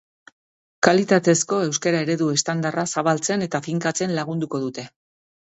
Kalitatezko euskara-eredu estandarra zabaltzen eta finkatzen lagunduko dute.